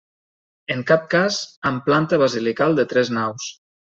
En cap cas amb planta basilical de tres naus.